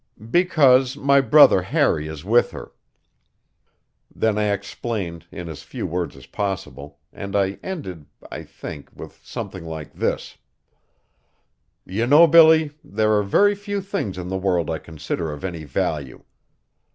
"Because my brother Harry is with her." Then I explained in as few words as possible, and I ended, I think, with something like this: "You know, Billy, there are very few things in the world I consider of any value.